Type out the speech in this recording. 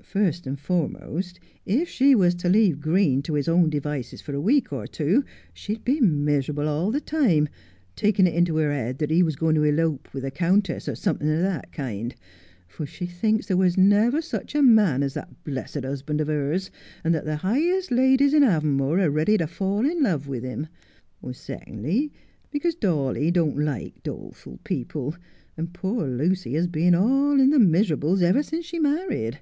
First and foremost, if she was to leave Green to his own devices for a week or two she'd be miserable all the time, taking it into her head that he was going to elope with a countess, or something of that kind ; for she thinks there never was such a man as that blessed husband of hers, and that the highest ladies in Avonmore are ready to fall in love with him ; secondly, because Dawley don't like doleful people, and poor Lucy has been all in the miserables ever since she married.